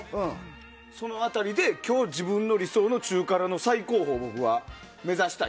その辺りで今日自分の理想の中辛の最高峰を僕は目指したい。